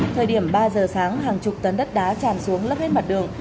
thời điểm ba giờ sáng hàng chục tấn đất đá tràn xuống lấp hết mặt đường